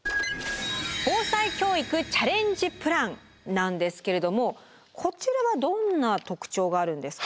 「防災教育チャレンジプラン」なんですけれどもこちらはどんな特徴があるんですか？